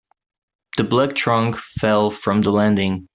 The black trunk fell from the landing.